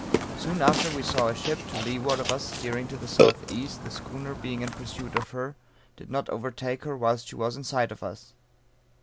Soon after we saw a ship to leeward of us steering to the S.E. the schooner being in pursuit of her did not overtake her whilst she was in sight of us.